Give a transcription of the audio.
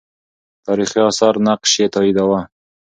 تاریخي آثار نقش یې تاییداوه.